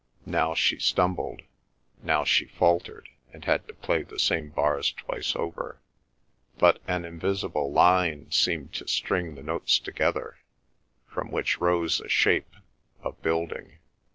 Now she stumbled; now she faltered and had to play the same bar twice over; but an invisible line seemed to string the notes together, from which rose a shape, a building.